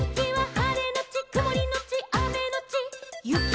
「はれのちくもりのちあめのちゆき」